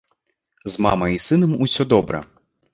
З мамай і сынам усё добра.